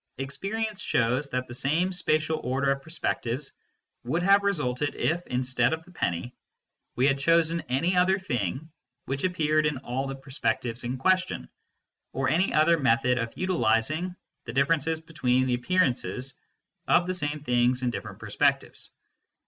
Experience shows that the same spatial order of perspectives would have resulted if, instead of the penny, we had chosen any other thing which appeared in all the perspectives in question, or any other method of utilising the differences between the appearances of the same things in different perspectives.